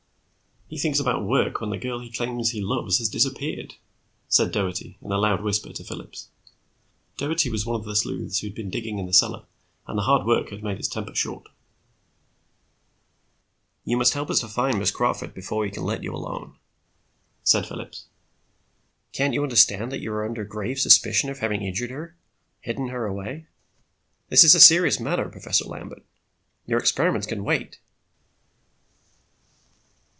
"He thinks about work when the girl he claims he loves has disappeared," said Doherty, in a loud whisper to Phillips. Doherty was one of the sleuths who had been digging in the cellar, and the hard work had made his temper short. "You must help us find Miss Crawford before we can let you alone," said Phillips. "Can't you understand that you are under grave suspicion of having injured her, hidden her away? This is a serious matter, Professor Lambert. Your experiments can wait."